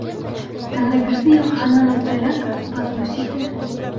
Тәңребирҙе йылғаһынан өҫтәрәк... баҫыу сите...